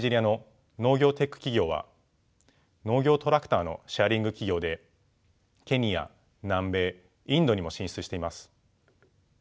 企業は農業トラクターのシェアリング企業でケニア南米インドにも進出しています。